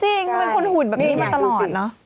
จริงเป็นคนหุ่นแบบนี้มาตลอดเนอะ